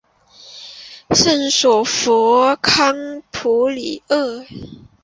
圣索弗康普里厄。